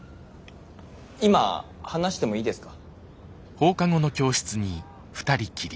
今話してもいいですか？